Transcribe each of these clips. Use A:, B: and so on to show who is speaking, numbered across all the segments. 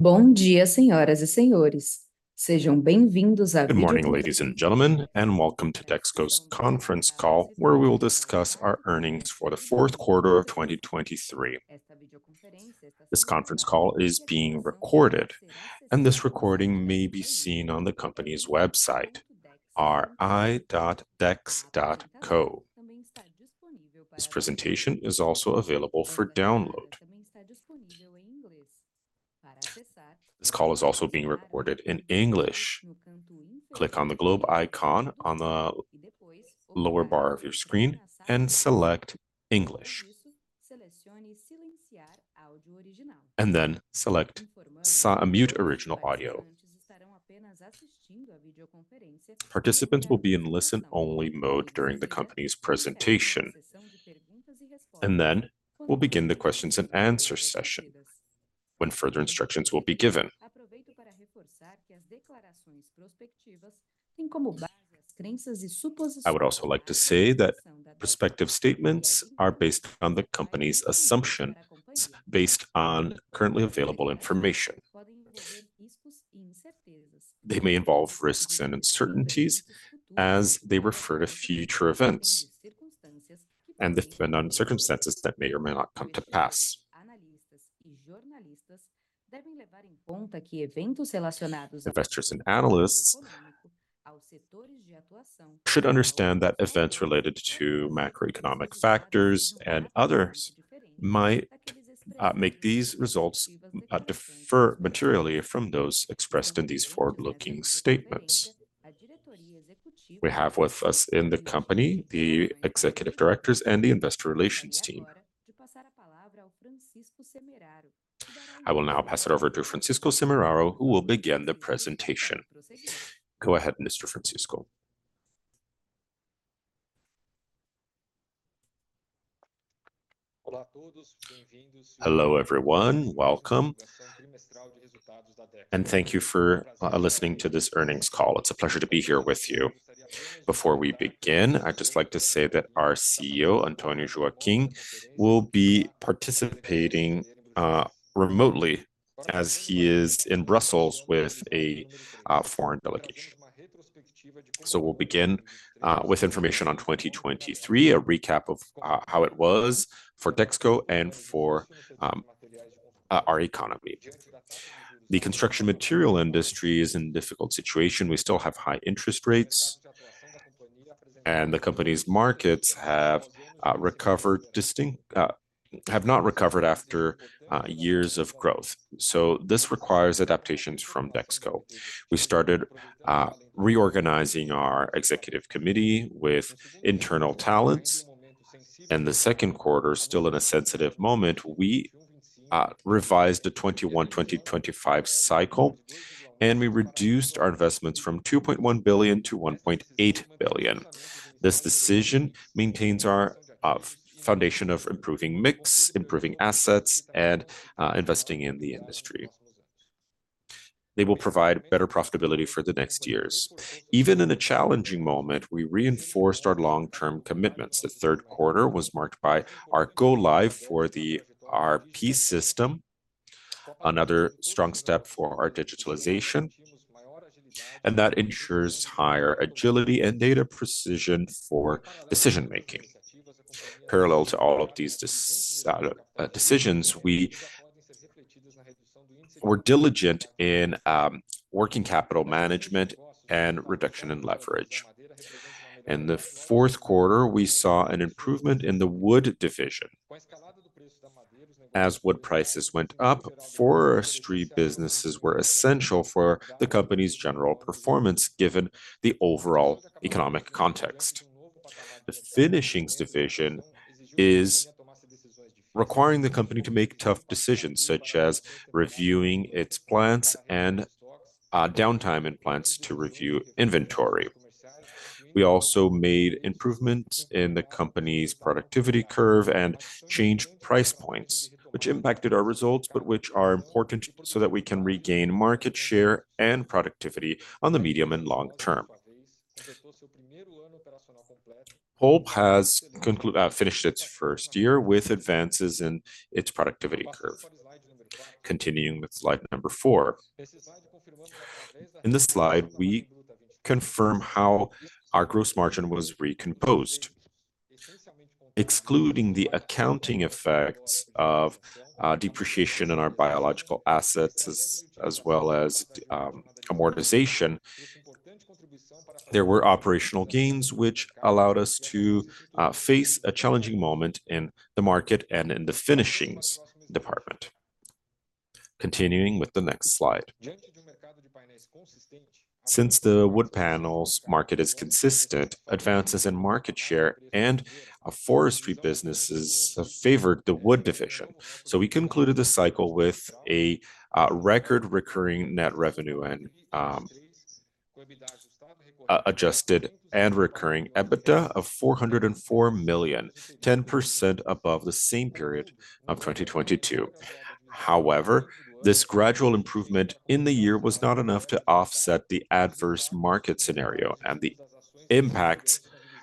A: Good day, ladies and gentlemen. Welcome to Dexco's conference call, where we will discuss our earnings for the fourth quarter of 2023. This conference call is being recorded, and this recording may be seen on the company's website, ri.dex.co. This presentation is also available for download. This call is also being recorded in English. Click on the globe icon on the lower bar of your screen and select English. And then select mute original audio. Participants will be in listen-only mode during the company's presentation, and then we'll begin the questions and answer session, when further instructions will be given. I would also like to say that prospective statements are based on the company's assumptions, based on currently available information. They may involve risks and uncertainties as they refer to future events and depend on circumstances that may or may not come to pass. Investors and analysts should understand that events related to macroeconomic factors and others might make these results differ materially from those expressed in these forward-looking statements. We have with us in the company, the executive directors and the investor relations team. I will now pass it over to Francisco Semeraro, who will begin the presentation. Go ahead, Mr. Francisco. Hello, everyone. Welcome, and thank you for listening to this earnings call. It's a pleasure to be here with you. Before we begin, I'd just like to say that our CEO, Antonio Joaquim, will be participating remotely as he is in Brussels with a foreign delegation. So we'll begin with information on 2023, a recap of how it was for Dexco and for our economy. The construction material industry is in difficult situation. We still have high interest rates, and the company's markets have distinctly not recovered after years of growth. So this requires adaptations from Dexco. We started reorganizing our executive committee with internal talents. In the second quarter, still in a sensitive moment, we revised the 2021-2025 cycle, and we reduced our investments from 2.1 billion to 1.8 billion. This decision maintains our foundation of improving mix, improving assets, and investing in the industry. They will provide better profitability for the next years. Even in a challenging moment, we reinforced our long-term commitments. The third quarter was marked by our go-live for the ERP system, another strong step for our digitalization, and that ensures higher agility and data precision for decision-making. Parallel to all of these. Decisions, we were diligent in working capital management and reduction in leverage. In the fourth quarter, we saw an improvement in wood division. as wood prices went up, forestry businesses were essential for the company's general performance, given the overall economic context. Finishings divisions is requiring the company to make tough decisions, such as reviewing its plants and downtime in plants to review inventory. We also made improvements in the company's productivity curve and changed price points, which impacted our results, but which are important so that we can regain market share and productivity on the medium and long term. Pulp has finished its first year with advances in its productivity curve. Continuing with slide number four. In this slide, we confirm how our gross margin was recomposed. Excluding the accounting effects of depreciation in our biological assets, as well as amortization, there were operational gains, which allowed us to face a challenging moment in the market and in the finishings department. Continuing with the next slide. Since the wood panels market is consistent, advances in market share and a forestry businesses favored wood division. so we concluded the cycle with a record recurring net revenue and adjusted and recurring EBITDA of 404 million, 10% above the same period of 2022. However, this gradual improvement in the year was not enough to offset the adverse market scenario and the impacts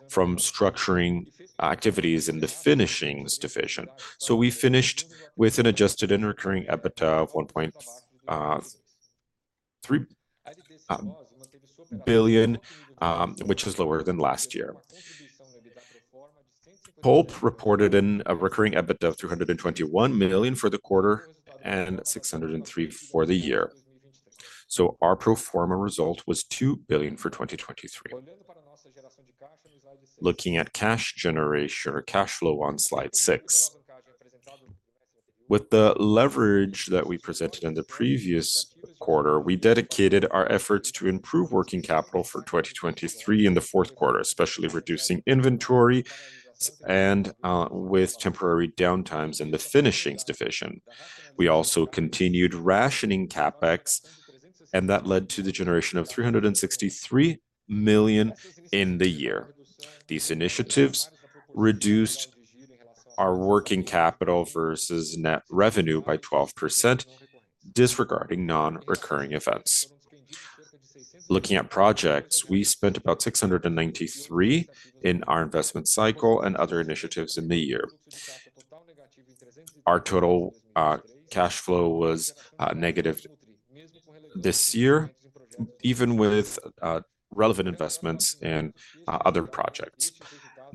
A: from structuring activities finishings divisions. so we finished with an adjusted and recurring EBITDA of 1.3 billion, which is lower than last year. Pulp reported a recurring EBITDA of 321 million for the quarter and 603 million for the year. Our pro forma result was 2 billion for 2023. Looking at cash generation or cash flow on slide 6. With the leverage that we presented in the previous quarter, we dedicated our efforts to improve working capital for 2023 in the fourth quarter, especially reducing inventory and with temporary downtimes finishings divisions. we also continued rationing CapEx, and that led to the generation of 363 million in the year. These initiatives reduced our working capital versus net revenue by 12%, disregarding non-recurring events. Looking at projects, we spent about 693 million in our investment cycle and other initiatives in the year. Our total cash flow was negative this year, even with relevant investments and other projects.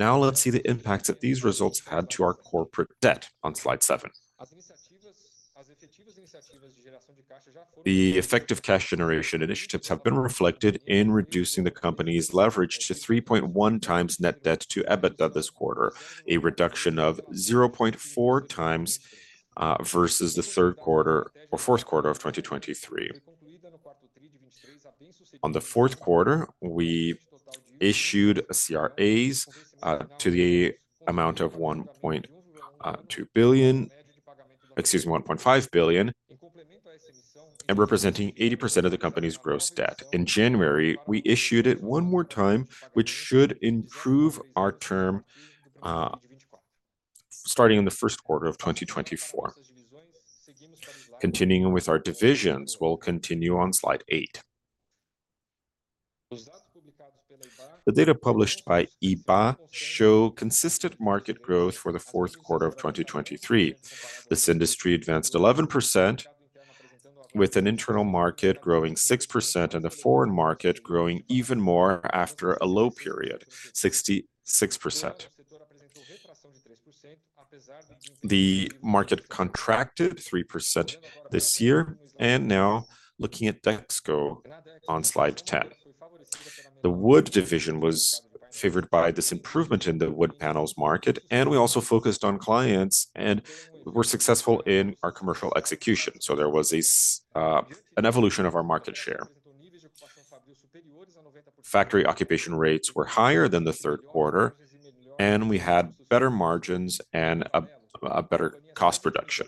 A: Now, let's see the impact that these results had to our corporate debt on slide seven. The effective cash generation initiatives have been reflected in reducing the company's leverage to 3.1x net debt to EBITDA this quarter, a reduction of 0.4x versus the third quarter or fourth quarter of 2023. On the fourth quarter, we issued CRAs to the amount of 1.2 billion. Excuse me, 1.5 billion, and representing 80% of the company's gross debt. In January, we issued it one more time, which should improve our term starting in the first quarter of 2024. Continuing with our divisions, we'll continue on slide eight. The data published by IBÁ show consistent market growth for the fourth quarter of 2023. This industry advanced 11%, with an internal market growing 6% and the foreign market growing even more after a low period, 66%. The market contracted 3% this year, and now looking at Dexco on slide 10. Wood division was favored by this improvement in the wood panels market, and we also focused on clients, and we're successful in our commercial execution. So there was an evolution of our market share. Factory occupation rates were higher than the third quarter, and we had better margins and a better cost production.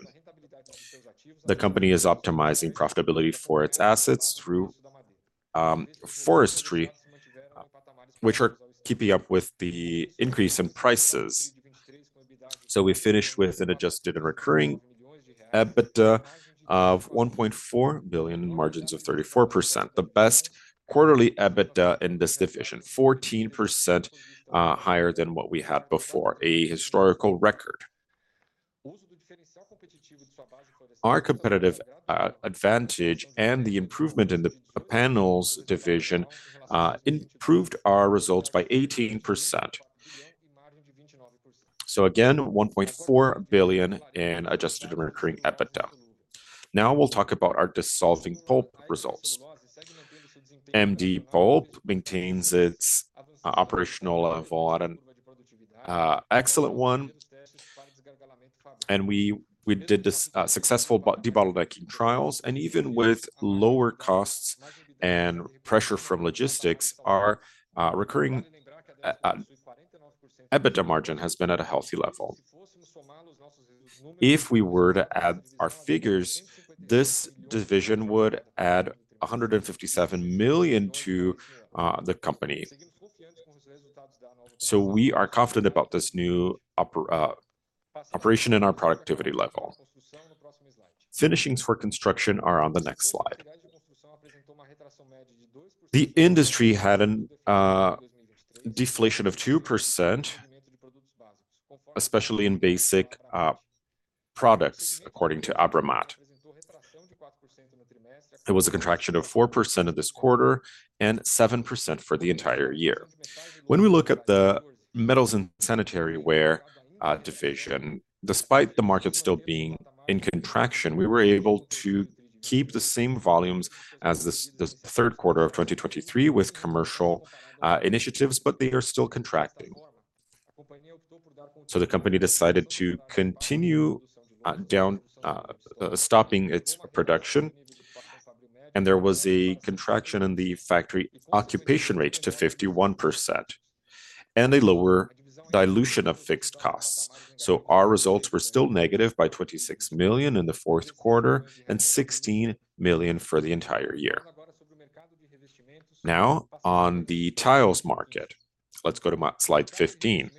A: The company is optimizing profitability for its assets through forestry, which are keeping up with the increase in prices. We finished with an adjusted and recurring EBITDA of 1.4 billion and margins of 34%, the best quarterly EBITDA in this division, 14% higher than what we had before, a historical record. Our competitive advantage and the improvement in the panels division improved our results by 18%. So again, 1.4 billion in adjusted and recurring EBITDA. Now, we'll talk about our Dissolving Pulp results. MD Pulp maintains its operational level at an excellent one, and we did this successful debottlenecking trials, and even with lower costs and pressure from logistics, our recurring EBITDA margin has been at a healthy level. If we were to add our figures, this division would add 157 million to the company. So we are confident about this new operation and our productivity level. Finishings for construction are on the next slide. The industry had an deflation of 2%, especially in basic products, according to ABRAMAT. There was a contraction of 4% of this quarter and 7% for the entire year. When we look at the metals and sanitary ware division, despite the market still being in contraction, we were able to keep the same volumes as the third quarter of 2023 with commercial initiatives, but they are still contracting. So the company decided to continue stopping its production, and there was a contraction in the factory occupation rate to 51% and a lower dilution of fixed costs. So our results were still negative by 26 million in the fourth quarter and 16 million for the entire year. Now, on the tiles market, let's go to my slide 15.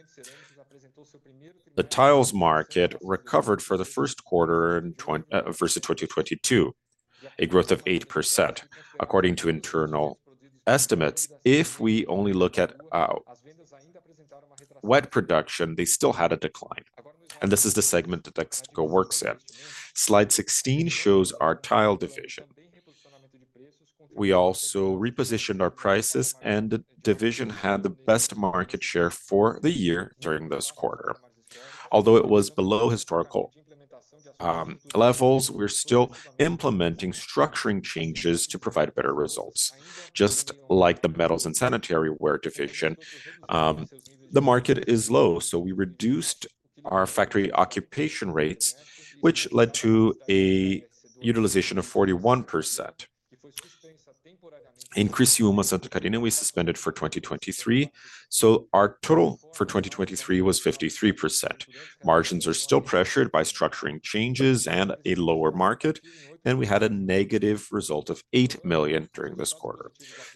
A: The tiles market recovered for the first quarter in 2023 versus 2022, a growth of 8%. According to internal estimates, if we only look at wet production, they still had a decline, and this is the segment that Dexco works in. Slide 16 shows our tile division. We also repositioned our prices, and the division had the best market share for the year during this quarter. Although it was below historical levels, we're still implementing structuring changes to provide better results. Just like the metals and sanitary ware division, the market is low, so we reduced our factory occupation rates, which led to a utilization of 41%. CapEx in Central America, we suspended for 2023, so our total for 2023 was 53%. Margins are still pressured by structuring changes and a lower market, and we had a negative result of 8 million during this quarter.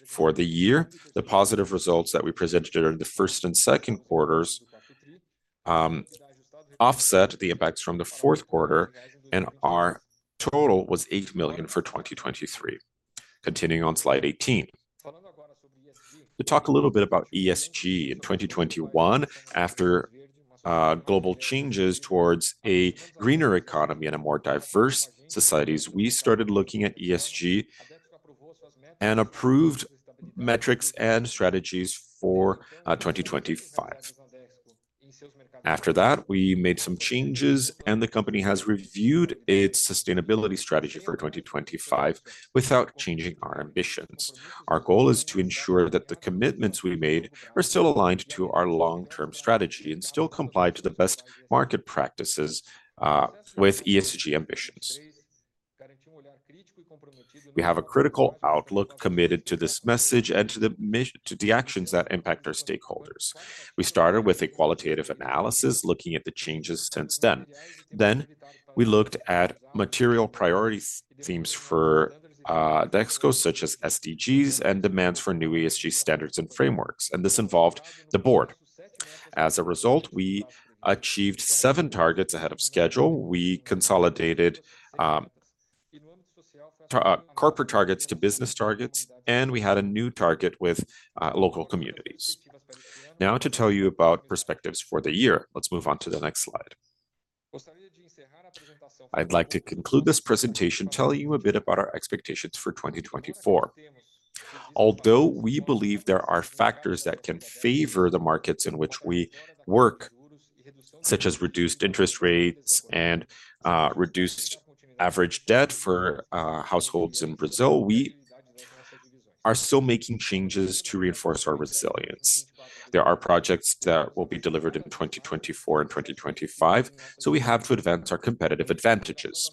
A: For the year, the positive results that we presented during the first and second quarters offset the impacts from the fourth quarter, and our total was 8 million for 2023. Continuing on slide 18. To talk a little bit about ESG in 2021, after global changes towards a greener economy and a more diverse societies, we started looking at ESG and approved metrics and strategies for 2025. After that, we made some changes, and the company has reviewed its sustainability strategy for 2025 without changing our ambitions. Our goal is to ensure that the commitments we made are still aligned to our long-term strategy and still comply to the best market practices with ESG ambitions. We have a critical outlook committed to this message and to the mission to the actions that impact our stakeholders. We started with a qualitative analysis, looking at the changes since then. We looked at material priority themes for Dexco, such as SDGs and demands for new ESG standards and frameworks, and this involved the Board. As a result, we achieved seven targets ahead of schedule. We consolidated corporate targets to business targets, and we had a new target with local communities. Now, to tell you about perspectives for the year, let's move on to the next slide. I'd like to conclude this presentation, telling you a bit about our expectations for 2024. Although we believe there are factors that can favor the markets in which we work, such as reduced interest rates and reduced average debt for households in Brazil, we are still making changes to reinforce our resilience. There are projects that will be delivered in 2024 and 2025, so we have to advance our competitive advantages.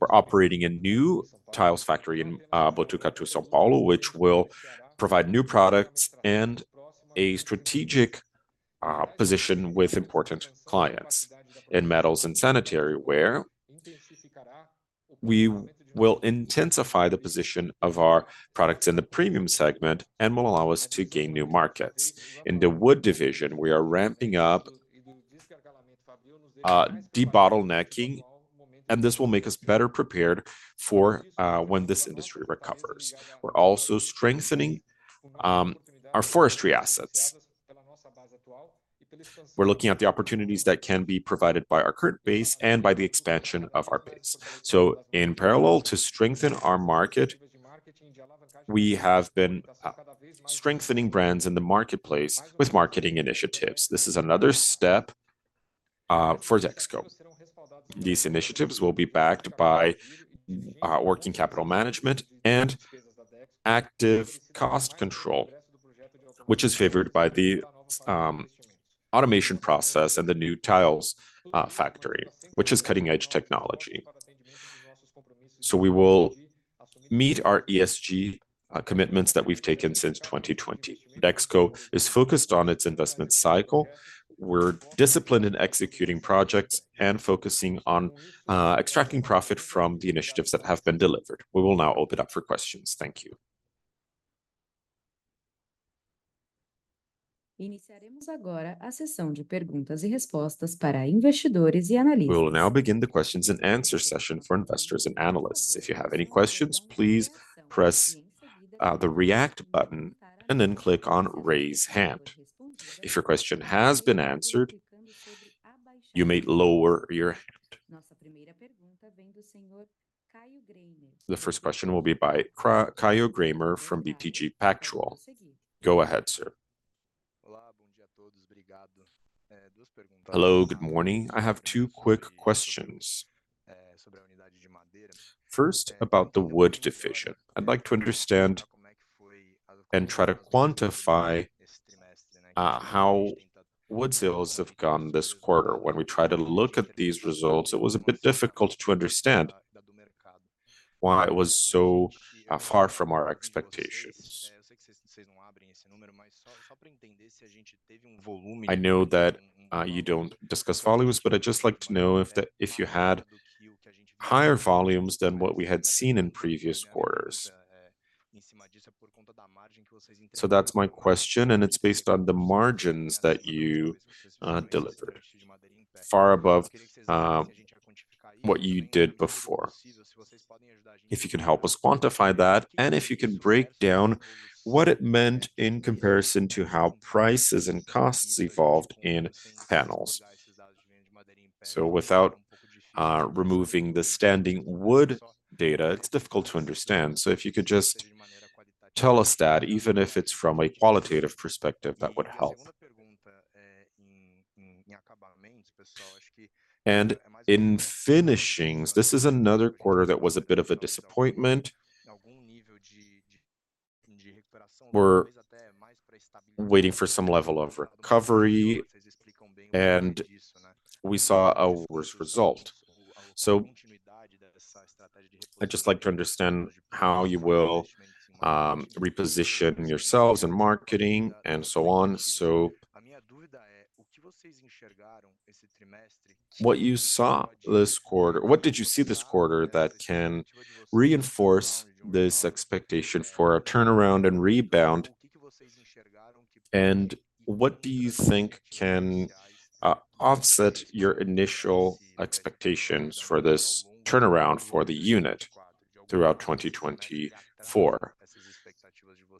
A: We're operating a new tiles factory in Botucatu, São Paulo, which will provide new products and a strategic position with important clients. In metals and sanitary ware, we will intensify the position of our products in the premium segment and will allow us to gain new markets. In wood division, we are ramping up debottlenecking, and this will make us better prepared for when this industry recovers. We're also strengthening our forestry assets. We're looking at the opportunities that can be provided by our current base and by the expansion of our base. So in parallel to strengthening our market, we have been strengthening brands in the marketplace with marketing initiatives. This is another step for Dexco. These initiatives will be backed by working capital management and active cost control, which is favored by the automation process and the new tiles factory, which is cutting-edge technology. So we will meet our ESG commitments that we've taken since 2020. Dexco is focused on its investment cycle. We're disciplined in executing projects and focusing on extracting profit from the initiatives that have been delivered. We will now open up for questions. Thank you. We will now begin the questions and answer session for investors and analysts. If you have any questions, please press the React button and then click on Raise Hand. If your question has been answered, you may lower your hand. The first question will be by Caio Greiner from BTG Pactual. Go ahead, sir. Hello, good morning. I have two quick questions. First, about wood division. i'd like to understand and try to quantify how wood sales have gone this quarter. When we tried to look at these results, it was a bit difficult to understand why it was so far from our expectations. I know that you don't discuss volumes, but I'd just like to know if you had higher volumes than what we had seen in previous quarters. So that's my question, and it's based on the margins that you delivered, far above what you did before. If you can help us quantify that, and if you can break down what it meant in comparison to how prices and costs evolved in panels. So without removing the standing wood data, it's difficult to understand. So if you could just tell us that, even if it's from a qualitative perspective, that would help. And in finishings, this is another quarter that was a bit of a disappointment. We're waiting for some level of recovery, and we saw a worse result. So I'd just like to understand how you will reposition yourselves in marketing and so on. So, what did you see this quarter that can reinforce this expectation for a turnaround and rebound, and what do you think can offset your initial expectations for this turnaround for the unit throughout 2024?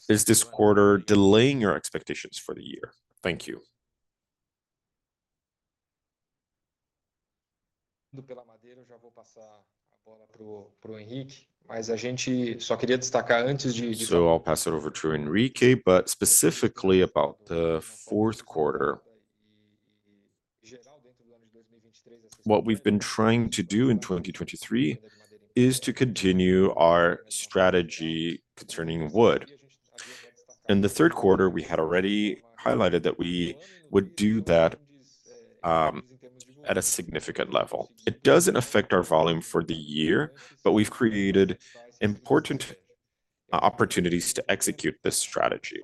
A: Is this quarter delaying your expectations for the year? Thank you. So I'll pass it over to Henrique, but specifically about the fourth quarter. What we've been trying to do in 2023 is to continue our strategy concerning wood. In the third quarter, we had already highlighted that we would do that at a significant level. It doesn't affect our volume for the year, but we've created important opportunities to execute this strategy.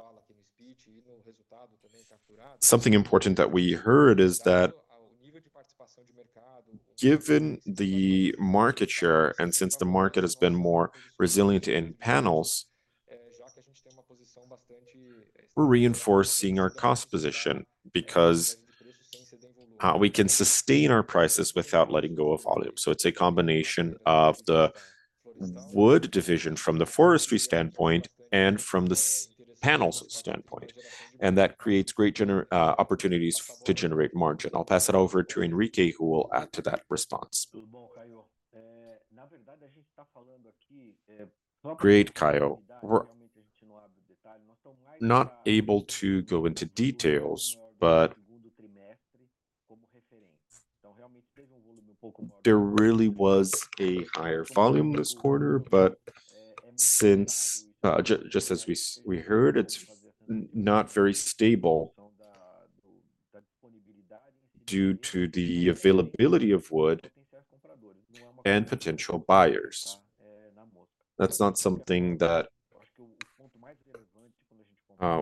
A: Something important that we heard is that, given the market share, and since the market has been more resilient in panels, we're reinforcing our cost position because we can sustain our prices without letting go of volume. So it's a combination of wood division from the forestry standpoint and from the panels standpoint, and that creates great opportunities to generate margin. I'll pass it over to Henrique, who will add to that response. Great, Caio. We're not able to go into details, but there really was a higher volume this quarter, but since just as we heard, it's not very stable due to the availability of wood and potential buyers. That's not something that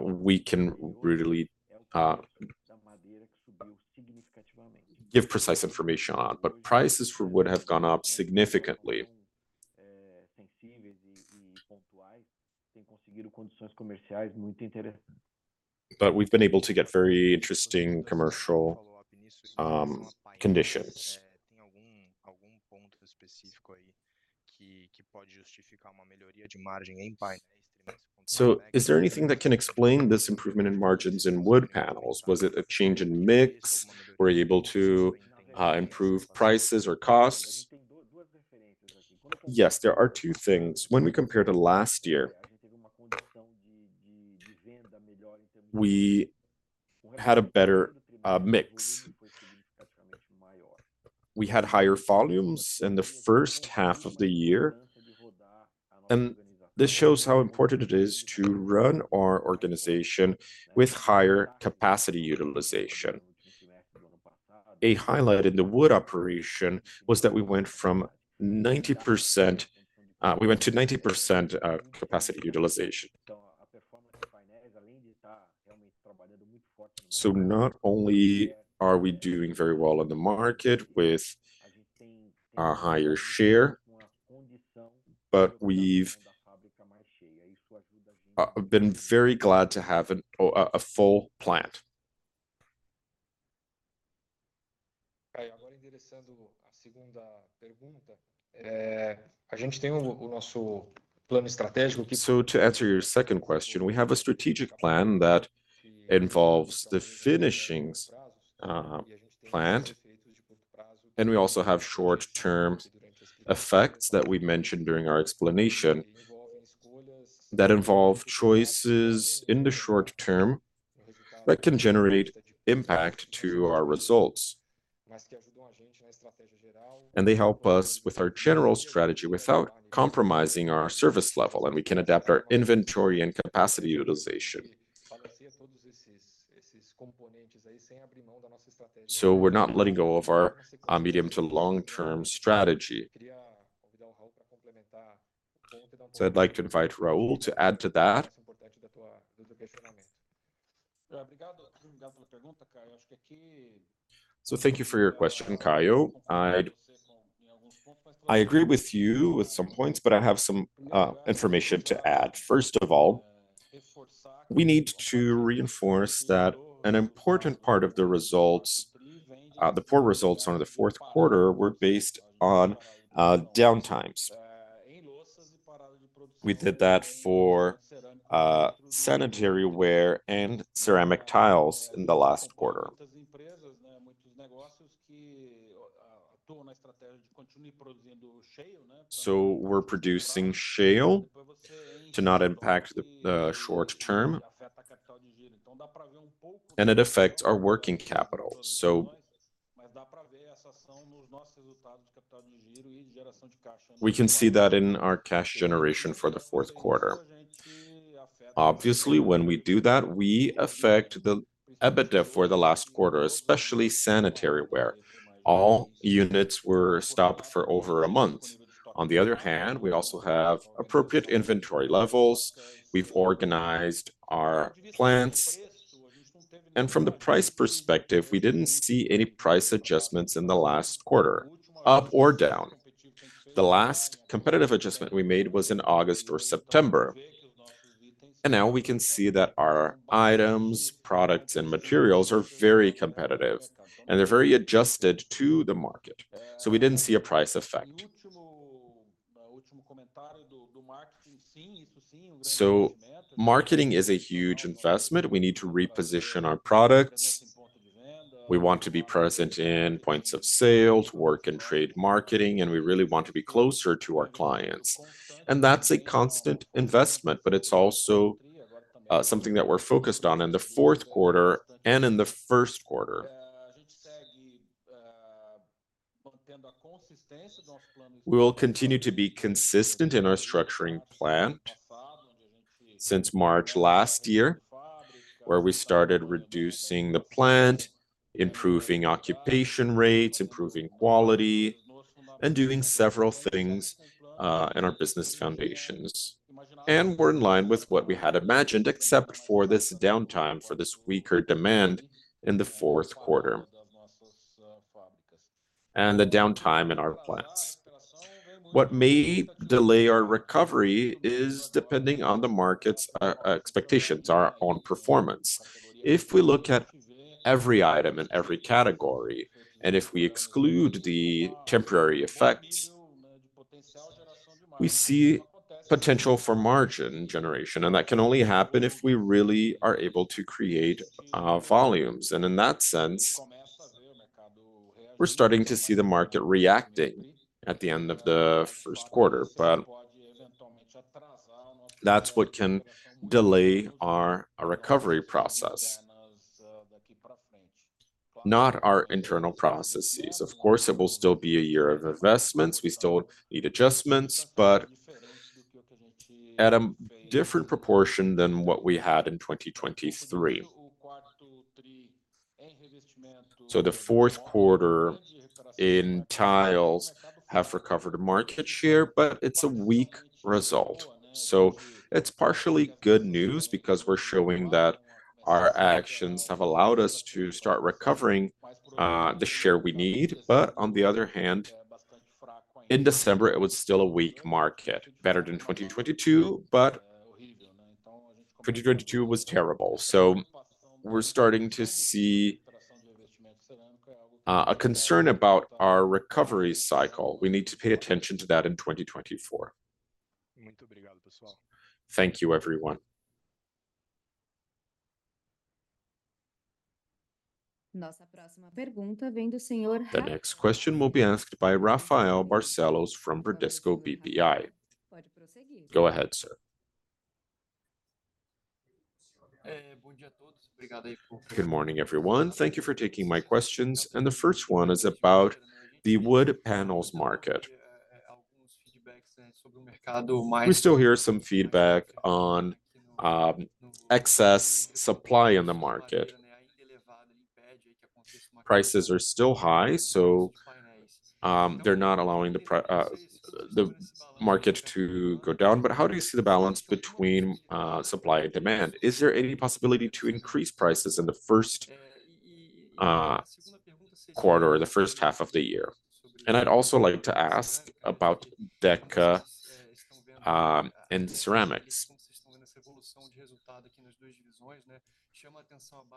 A: we can really give precise information on. But prices for wood have gone up significantly. But we've been able to get very interesting commercial conditions. So is there anything that can explain this improvement in margins in wood panels? Was it a change in mix? Were you able to improve prices or costs? Yes, there are two things. When we compare to last year, we had a better mix. We had higher volumes in the first half of the year, and this shows how important it is to run our organization with higher capacity utilization. A highlight in the wood operation was that we went from 90% we went to 90% capacity utilization. So not only are we doing very well in the market with a higher share, but we've been very glad to have a full plant. So to answer your second question, we have a strategic plan that involves the finishings plant, and we also have short-term effects that we mentioned during our explanation, that involve choices in the short term that can generate impact to our results. And they help us with our general strategy without compromising our service level, and we can adapt our inventory and capacity utilization. So we're not letting go of our, our medium to long-term strategy. So I'd like to invite Raul to add to that. So thank you for your question, Caio. I agree with you with some points, but I have some information to add. First of all, we need to reinforce that an important part of the results, the poor results on the fourth quarter were based on downtimes. We did that for sanitary ware and ceramic tiles in the last quarter. So we're producing less to not impact the, the short term, and it affects our working capital. So, we can see that in our cash generation for the fourth quarter. Obviously, when we do that, we affect the EBITDA for the last quarter, especially sanitary ware. All units were stopped for over a month. On the other hand, we also have appropriate inventory levels, we've organized our plants, and from the price perspective, we didn't see any price adjustments in the last quarter, up or down. The last competitive adjustment we made was in August or September, and now we can see that our items, products, and materials are very competitive, and they're very adjusted to the market, so we didn't see a price effect. So marketing is a huge investment. We need to reposition our products. We want to be present in points of sales, work and trade marketing, and we really want to be closer to our clients. And that's a constant investment, but it's also something that we're focused on in the fourth quarter and in the first quarter. We will continue to be consistent in our structuring plan since March last year, where we started reducing the plant, improving occupation rates, improving quality, and doing several things in our business foundations. We're in line with what we had imagined, except for this downtime, for this weaker demand in the fourth quarter, and the downtime in our plants. What may delay our recovery is depending on the market's expectations, our own performance. If we look at every item in every category, and if we exclude the temporary effects, we see potential for margin generation, and that can only happen if we really are able to create volumes. In that sense, we're starting to see the market reacting at the end of the first quarter. That's what can delay our recovery process, not our internal processes. Of course, it will still be a year of investments. We still need adjustments, but at a different proportion than what we had in 2023. So the fourth quarter in tiles have recovered a market share, but it's a weak result. So it's partially good news because we're showing that our actions have allowed us to start recovering the share we need. But on the other hand, in December, it was still a weak market. Better than 2022, but 2022 was terrible. So we're starting to see a concern about our recovery cycle. We need to pay attention to that in 2024. Thank you, everyone. The next question will be asked by Rafael Barcellos from Bradesco BBI. Go ahead, sir. Good morning, everyone. Thank you for taking my questions, and the first one is about the wood panels market. We still hear some feedback on excess supply in the market. Prices are still high, so they're not allowing the market to go down. But how do you see the balance between supply and demand? Is there any possibility to increase prices in the first quarter or the first half of the year? And I'd also like to ask about Deca and ceramics.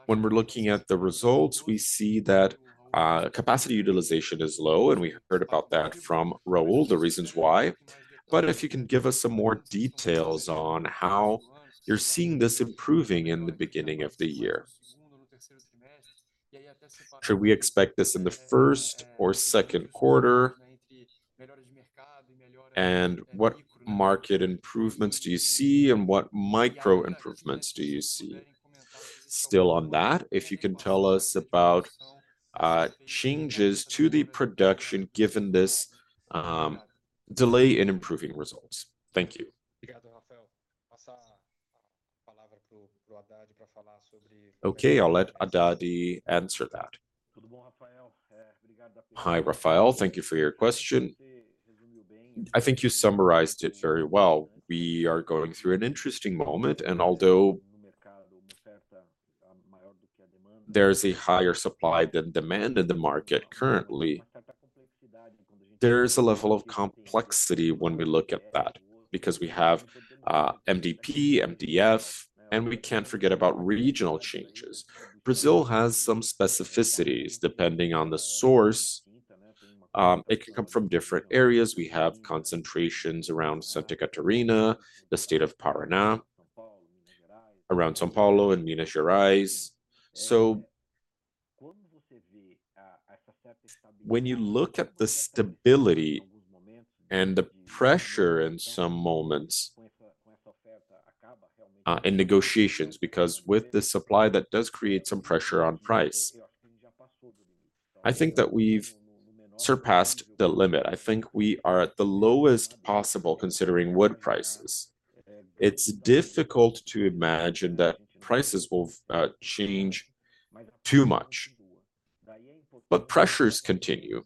A: When we're looking at the results, we see that capacity utilization is low, and we heard about that from Raul, the reasons why. But if you can give us some more details on how you're seeing this improving in the beginning of the year. Should we expect this in the first or second quarter? And what market improvements do you see, and what micro improvements do you see? Still on that, if you can tell us about changes to the production, given this delay in improving results? Thank you. Okay, I'll let Haddad answer that. Hi, Rafael. Thank you for your question. I think you summarized it very well. We are going through an interesting moment, and although there is a higher supply than demand in the market currently. There is a level of complexity when we look at that, because we have MDP, MDF, and we can't forget about regional changes. Brazil has some specificities, depending on the source, it can come from different areas. We have concentrations around Santa Catarina, the state of Paraná, around São Paulo, and Minas Gerais. So, when you look at the stability and the pressure in some moments in negotiations, because with the supply, that does create some pressure on price. I think that we've surpassed the limit. I think we are at the lowest possible, considering wood prices. It's difficult to imagine that prices will change too much, but pressures continue,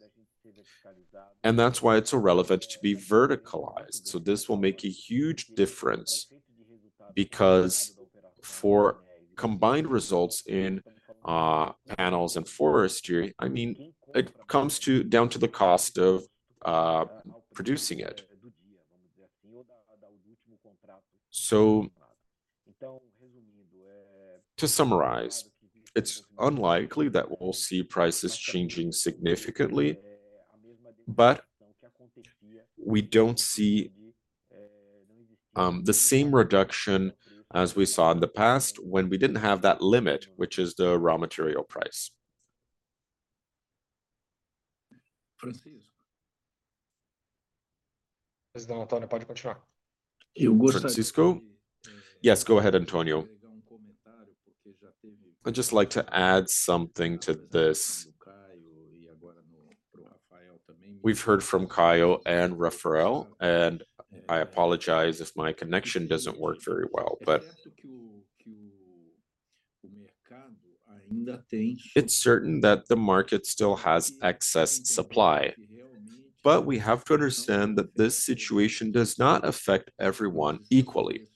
A: and that's why it's so relevant to be verticalized. So this will make a huge difference, because for combined results in panels and forestry, I mean, it comes to, down to the cost of producing it. So, to summarize, it's unlikely that we'll see prices changing significantly, but we don't see the same reduction as we saw in the past when we didn't have that limit, which is the raw material price. Francisco? Yes, go ahead, Antonio. I'd just like to add something to this. We've heard from Caio and Rafael, and I apologize if my connection doesn't work very well, but It's certain that the market still has excess supply, but we have to understand that this situation does not affect everyone equally.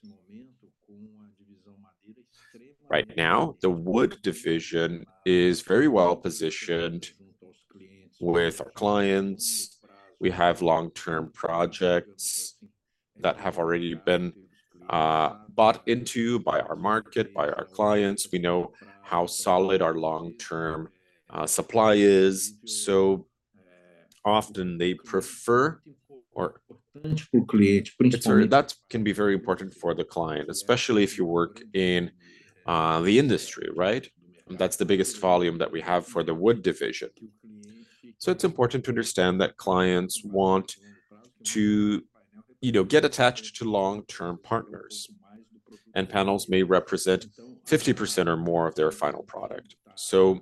A: Right now, wood division is very well positioned with our clients. We have long-term projects that have already been bought into by our market, by our clients. We know how solid our long-term supply is, so often they prefer that can be very important for the client, especially if you work in the industry, right? That's the biggest volume that we have for wood division. so it's important to understand that clients want to, you know, get attached to long-term partners, and panels may represent 50% or more of their final product. So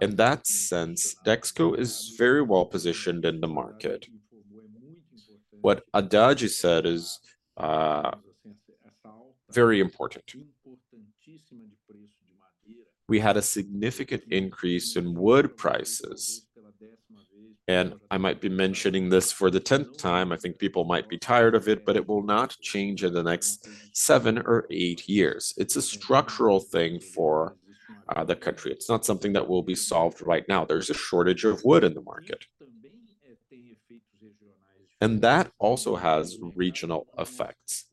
A: in that sense, Dexco is very well positioned in the market. What Haddad said is very important. We had a significant increase in wood prices, and I might be mentioning this for the 10th time. I think people might be tired of it, but it will not change in the next seven or eight years. It's a structural thing for the country. It's not something that will be solved right now. There's a shortage of wood in the market, and that also has regional effects.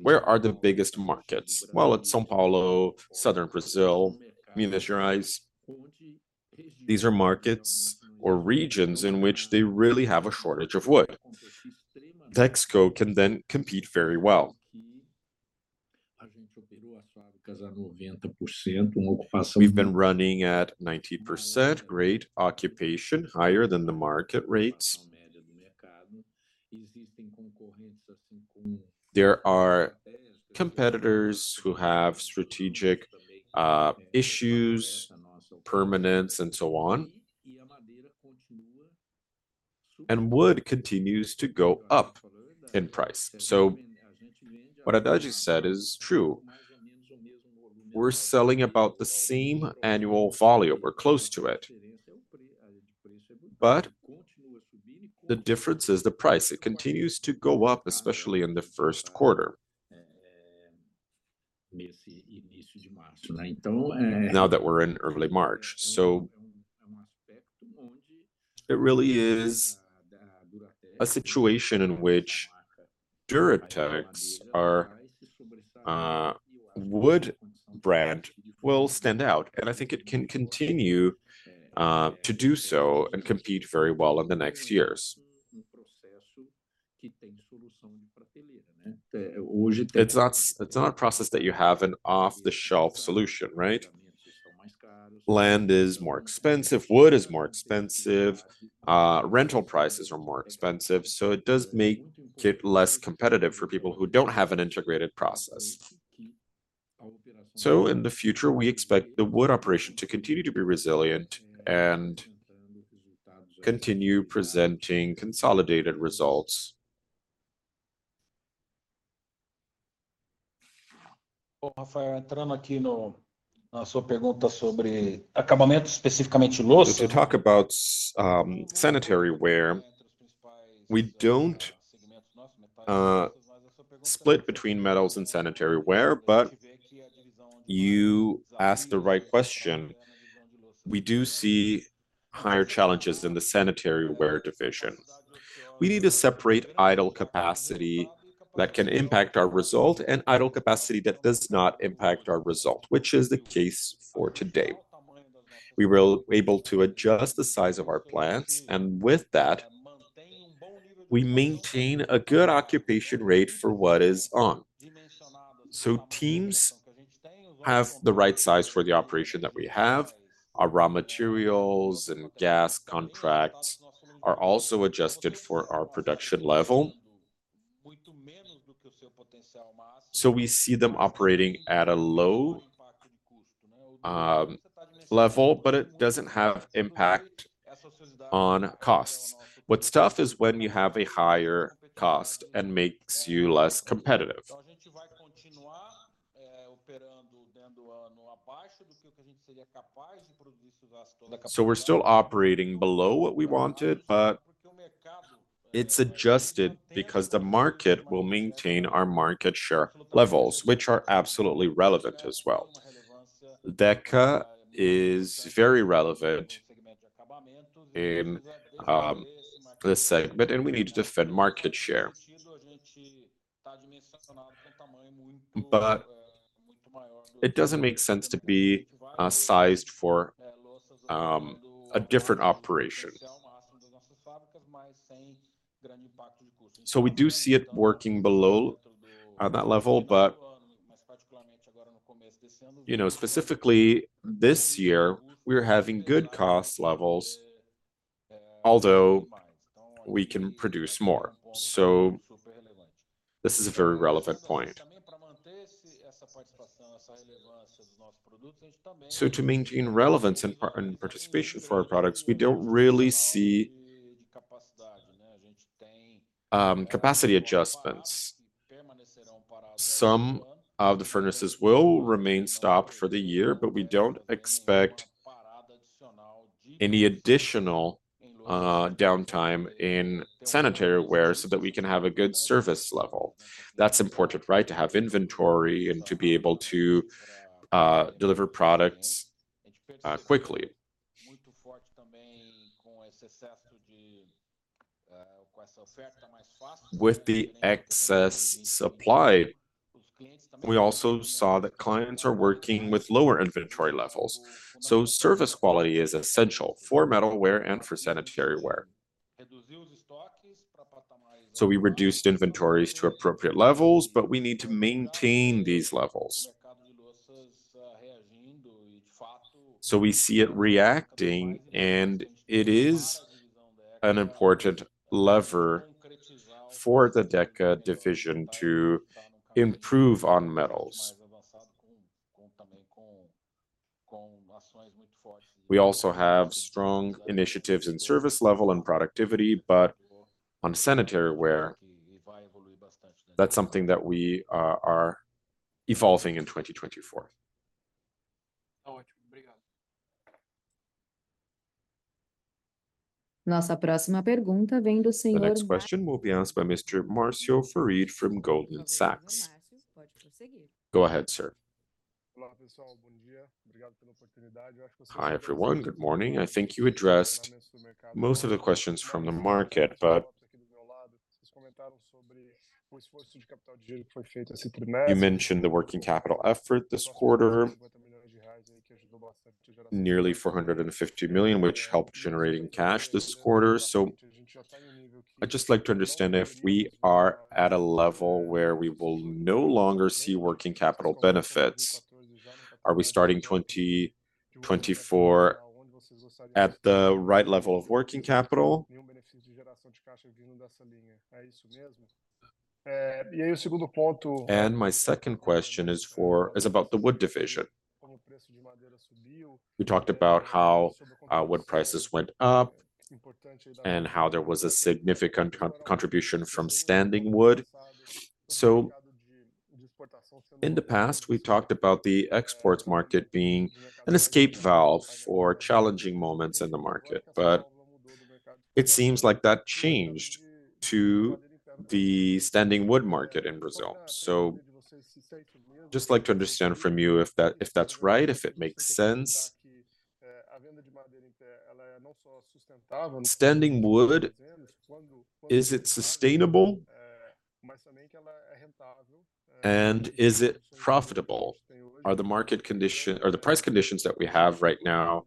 A: Where are the biggest markets? Well, it's São Paulo, Southern Brazil, Minas Gerais. These are markets or regions in which they really have a shortage of wood. Dexco can then compete very well. We've been running at 90% rate of occupation, higher than the market rates. There are competitors who have strategic issues, permanence, and so on, and wood continues to go up in price. So what Adaji said is true. We're selling about the same annual volume or close to it, but the difference is the price. It continues to go up, especially in the first quarter, now that we're in early March. So it really is a situation in which Duratex, our wood brand, will stand out, and I think it can continue to do so and compete very well in the next years. It's not, it's not a process that you have an off-the-shelf solution, right? Land is more expensive, wood is more expensive, rental prices are more expensive, so it does make it less competitive for people who don't have an integrated process. So in the future, we expect the wood operation to continue to be resilient and continue presenting consolidated results. Rafael, if we talk about sanitary ware. We don't split between metals and sanitary ware, but you asked the right question. We do see higher challenges in the sanitary ware division. We need to separate idle capacity that can impact our result, and idle capacity that does not impact our result, which is the case for today. We were able to adjust the size of our plants, and with that, we maintain a good occupation rate for what is on. So teams have the right size for the operation that we have. Our raw materials and gas contracts are also adjusted for our production level. So we see them operating at a low level, but it doesn't have impact on costs. What's tough is when you have a higher cost and makes you less competitive. So we're still operating below what we wanted, but it's adjusted because the market will maintain our market share levels, which are absolutely relevant as well. Deca is very relevant in this segment, and we need to defend market share. But it doesn't make sense to be sized for a different operation. So we do see it working below on that level, but, you know, specifically this year, we're having good cost levels, although we can produce more. So this is a very relevant point. So to maintain relevance and participation for our products, we don't really see capacity adjustments. Some of the furnaces will remain stopped for the year, but we don't expect any additional downtime in sanitary ware, so that we can have a good service level. That's important, right? To have inventory and to be able to, deliver products, quickly. With the excess supply, we also saw that clients are working with lower inventory levels, so service quality is essential for metalware and for sanitary ware. So we reduced inventories to appropriate levels, but we need to maintain these levels. So we see it reacting, and it is an important lever for the Deca division to improve on metals. We also have strong initiatives in service level and productivity, but on sanitary ware, that's something that we are, are evolving in 2024. The next question will be asked by Mr. Marcio Farid from Goldman Sachs. Go ahead, sir. Hi, everyone. Good morning. I think you addressed most of the questions from the market, but you mentioned the working capital effort this quarter, nearly 450 million, which helped generating cash this quarter. So I'd just like to understand if we are at a level where we will no longer see working capital benefits. Are we starting 2024 at the right level of working capital? And my second question is about wood division. we talked about how wood prices went up, and how there was a significant contribution from standing wood. So, in the past, we talked about the exports market being an escape valve for challenging moments in the market, but it seems like that changed to the standing wood market in Brazil. So just like to understand from you if that, if that's right, if it makes sense. Standing wood, is it sustainable, and is it profitable? Are the market conditions? Are the price conditions that we have right now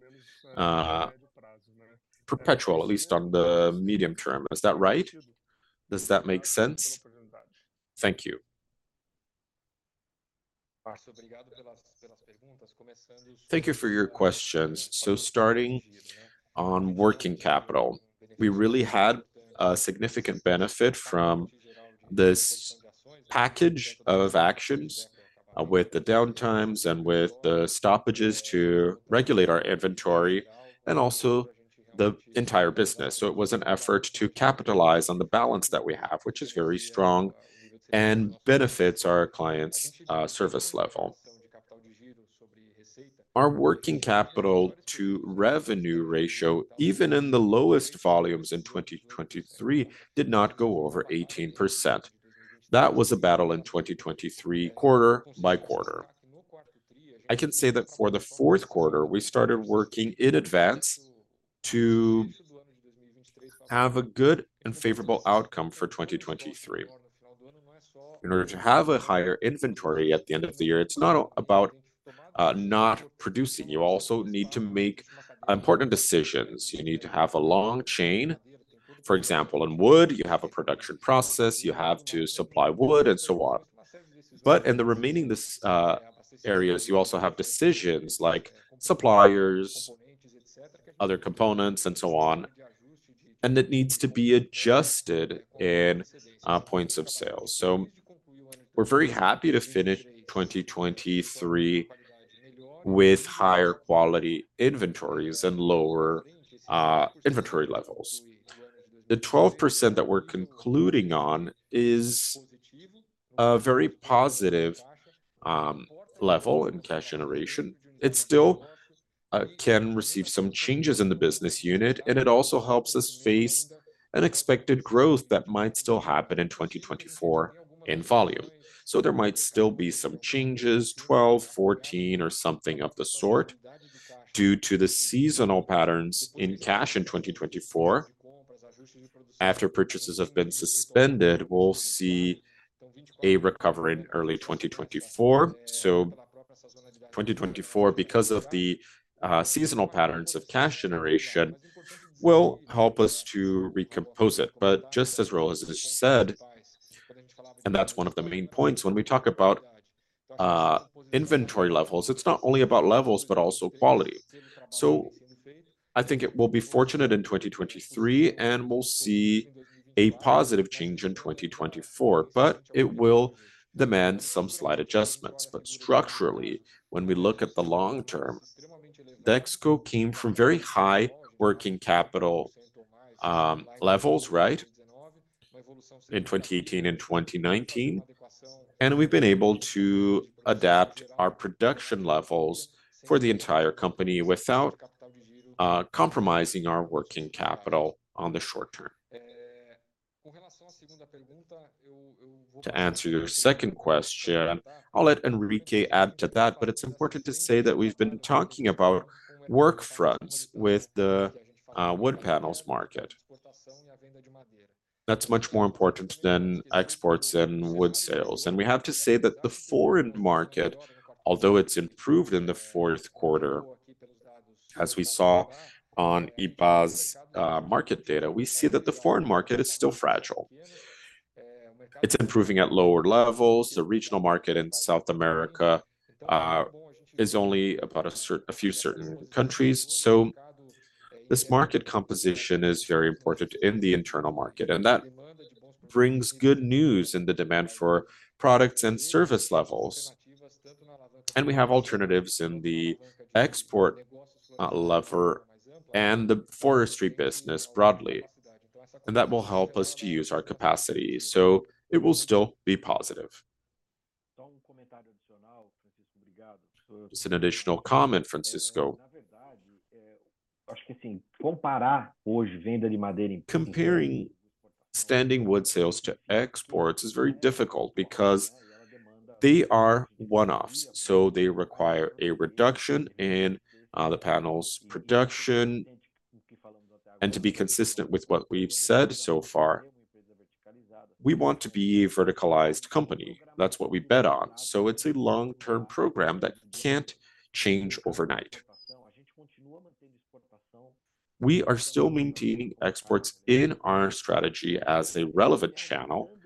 A: perpetual, at least on the medium term, is that right? Does that make sense? Thank you. Thank you for your questions. So starting on working capital, we really had a significant benefit from this package of actions, with the downtimes and with the stoppages to regulate our inventory and also the entire business. So it was an effort to capitalize on the balance that we have, which is very strong and benefits our clients', service level. Our working capital to revenue ratio, even in the lowest volumes in 2023, did not go over 18%. That was a battle in 2023, quarter by quarter. I can say that for the fourth quarter, we started working in advance to have a good and favorable outcome for 2023. In order to have a higher inventory at the end of the year, it's not about not producing. You also need to make important decisions. You need to have a long chain. For example, in wood, you have a production process, you have to supply wood, and so on. But in the remaining this, areas, you also have decisions like suppliers, other components, and so on, and it needs to be adjusted in, points of sales. So we're very happy to finish 2023 with higher quality inventories and lower, inventory levels. The 12% that we're concluding on is a very positive, level in cash generation. It still, can receive some changes in the business unit, and it also helps us face an expected growth that might still happen in 2024 in volume. So there might still be some changes, 12, 14, or something of the sort, due to the seasonal patterns in cash in 2024. After purchases have been suspended, we'll see a recovery in early 2024. So 2024, because of the seasonal patterns of cash generation, will help us to recompose it. But just as well as it is said, and that's one of the main points, when we talk about inventory levels, it's not only about levels, but also quality. So I think it will be fortunate in 2023, and we'll see a positive change in 2024, but it will demand some slight adjustments. But structurally, when we look at the long term, Dexco came from very high working capital levels, right? In 2018 and 2019, and we've been able to adapt our production levels for the entire company without compromising our working capital on the short term. To answer your second question, I'll let Enrique add to that, but it's important to say that we've been talking about work fronts with the wood panels market. That's much more important than exports and wood sales. We have to say that the foreign market, although it's improved in the fourth quarter, as we saw on IBÁ's market data, we see that the foreign market is still fragile. It's improving at lower levels. The regional market in South America is only about a few certain countries, so this market composition is very important in the internal market, and that brings good news in the demand for products and service levels. We have alternatives in the export lever and the forestry business broadly, and that will help us to use our capacity, so it will still be positive. Just an additional comment, Francisco. Comparing standing wood sales to exports is very difficult because they are one-offs, so they require a reduction in the panels production. To be consistent with what we've said so far, we want to be a verticalized company. That's what we bet on, so it's a long-term program that can't change overnight. We are still maintaining exports in our strategy as a relevant channel.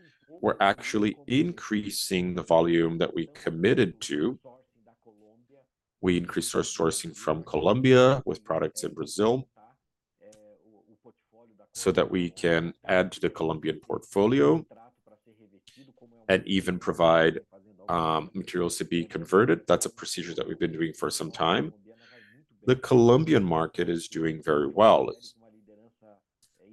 A: We're actually increasing the volume that we committed to. We increased our sourcing from Colombia with products in Brazil, so that we can add to the Colombian portfolio and even provide materials to be converted. That's a procedure that we've been doing for some time. The Colombian market is doing very well.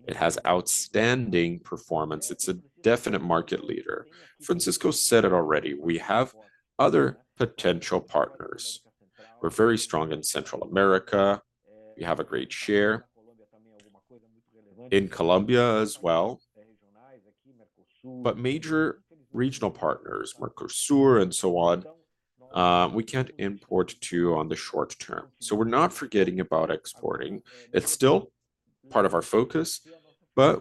A: It has outstanding performance. It's a definite market leader. Francisco said it already, we have other potential partners. We're very strong in Central America. We have a great share in Colombia as well. But major regional partners, Mercosur, and so on, we can't import to on the short term. So we're not forgetting about exporting. It's still part of our focus, but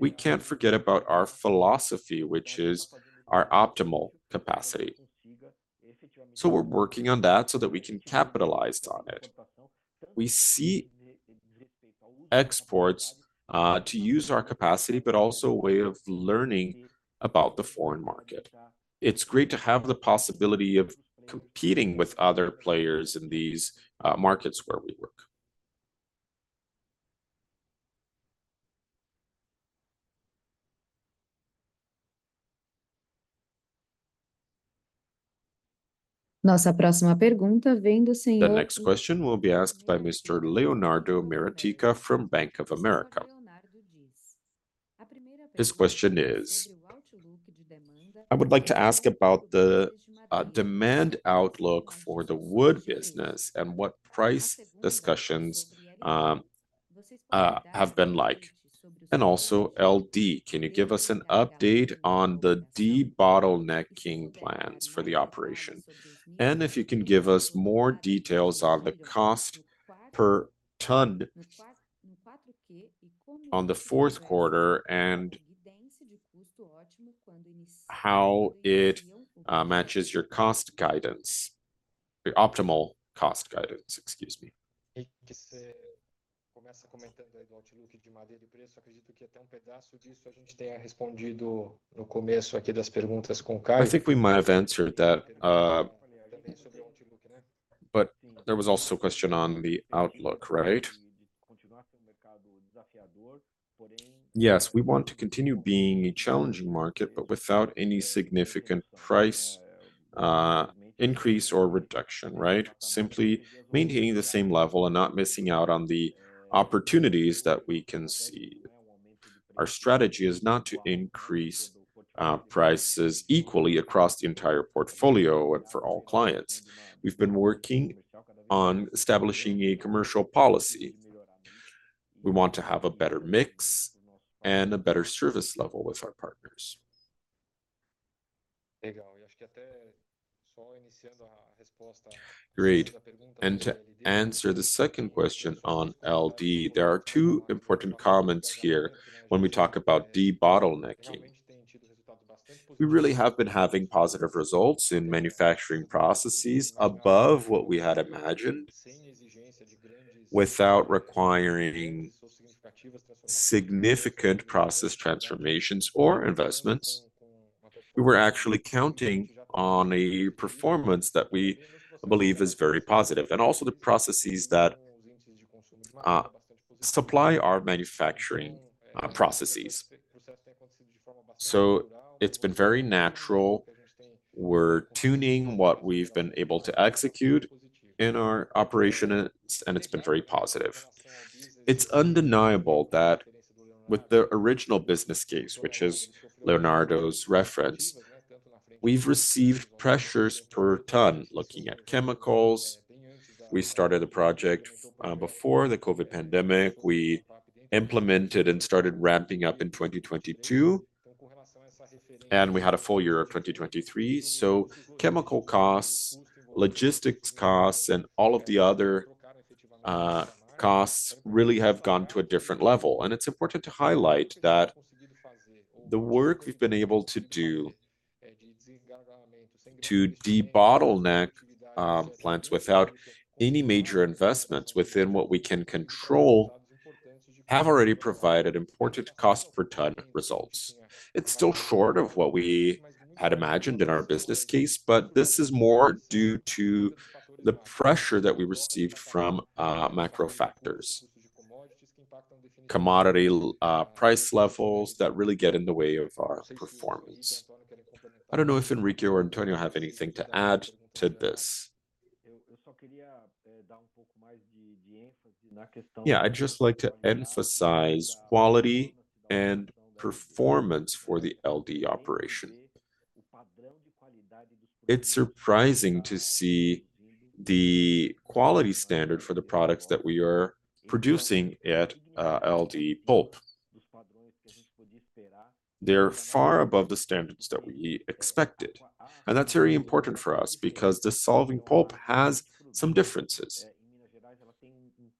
A: we can't forget about our philosophy, which is our optimal capacity. So we're working on that so that we can capitalize on it. We see exports, to use our capacity, but also a way of learning about the foreign market. It's great to have the possibility of competing with other players in these, markets where we work. The next question will be asked by Mr. Leonardo Marcondes from Bank of America. His question is: I would like to ask about the, demand outlook for the wood business and what price discussions, have been like? And also LD, can you give us an update on the debottlenecking plans for the operation? And if you can give us more details on the cost per ton on the fourth quarter, and how it matches your cost guidance, the optimal cost guidance, excuse me. I think we might have answered that, but there was also a question on the outlook, right? Yes, we want to continue being a challenging market, but without any significant price increase or reduction, right? Simply maintaining the same level and not missing out on the opportunities that we can see. Our strategy is not to increase prices equally across the entire portfolio and for all clients. We've been working on establishing a commercial policy. We want to have a better mix and a better service level with our partners. Great. To answer the second question on LD, there are two important comments here when we talk about debottlenecking. We really have been having positive results in manufacturing processes above what we had imagined, without requiring significant process transformations or investments. We were actually counting on a performance that we believe is very positive, and also the processes that supply our manufacturing processes. So it's been very natural. We're tuning what we've been able to execute in our operations, and it's been very positive. It's undeniable that with the original business case, which is Leonardo's reference, we've received pressures per ton. Looking at chemicals, we started a project before the COVID pandemic. We implemented and started ramping up in 2022, and we had a full year of 2023. So chemical costs, logistics costs, and all of the other costs really have gone to a different level. And it's important to highlight that the work we've been able to do to debottleneck plants without any major investments within what we can control have already provided important cost per ton results. It's still short of what we had imagined in our business case, but this is more due to the pressure that we received from macro factors, commodity price levels that really get in the way of our performance. I don't know if Enrique or Antonio have anything to add to this. Yeah, I'd just like to emphasize quality and performance for the LD operation. It's surprising to see the quality standard for the products that we are producing at LD Pulp. They're far above the standards that we expected, and that's very important for us because dissolving pulp has some differences.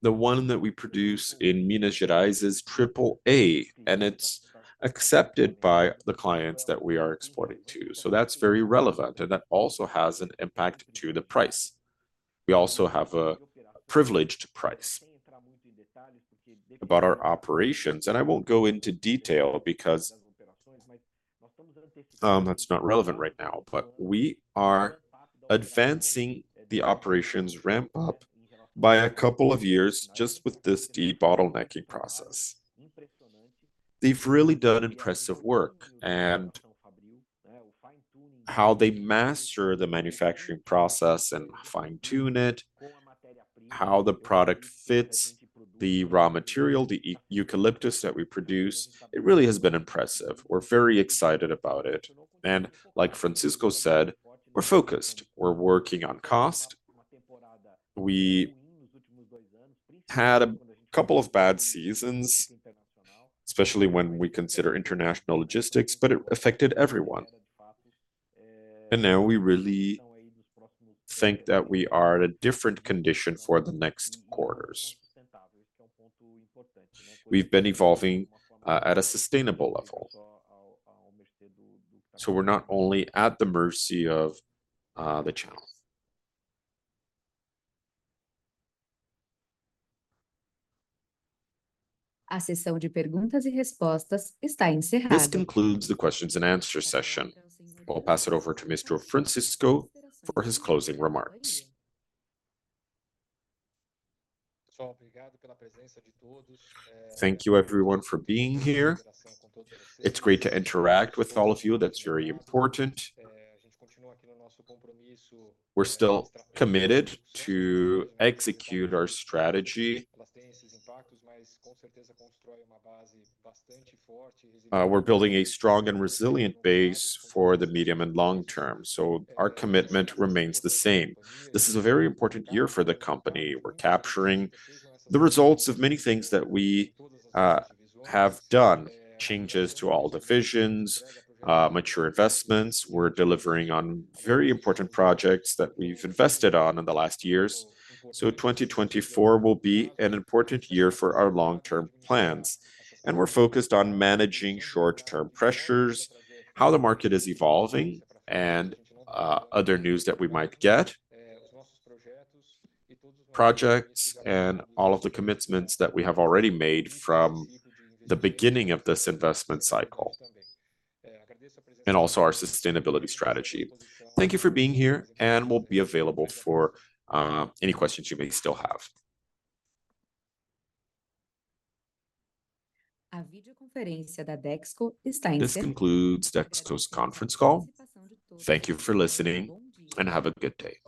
A: The one that we produce in Minas Gerais is AAA, and it's accepted by the clients that we are exporting to, so that's very relevant, and that also has an impact to the price. We also have a privileged price. About our operations, and I won't go into detail because that's not relevant right now, but we are advancing the operations ramp up by a couple of years just with this debottlenecking process. They've really done impressive work, and how they master the manufacturing process and fine-tune it, how the product fits the raw material, the eucalyptus that we produce, it really has been impressive. We're very excited about it. And like Francisco said, we're focused. We're working on cost. We had a couple of bad seasons, especially when we consider international logistics, but it affected everyone. Now we really think that we are at a different condition for the next quarters. We've been evolving at a sustainable level, so we're not only at the mercy of the channel. This concludes the questions and answer session. I'll pass it over to Mr. Francisco for his closing remarks. Thank you everyone for being here. It's great to interact with all of you. That's very important. We're still committed to execute our strategy. We're building a strong and resilient base for the medium and long term, so our commitment remains the same. This is a very important year for the company. We're capturing the results of many things that we have done, changes to all divisions, mature investments. We're delivering on very important projects that we've invested on in the last years. So 2024 will be an important year for our long-term plans, and we're focused on managing short-term pressures, how the market is evolving, and other news that we might get, projects, and all of the commitments that we have already made from the beginning of this investment cycle, and also our sustainability strategy. Thank you for being here, and we'll be available for any questions you may still have. This concludes Dexco's conference call. Thank you for listening, and have a good day.